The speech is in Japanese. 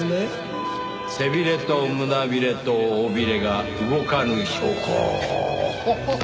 背びれと胸びれと尾びれが動かぬ証拠！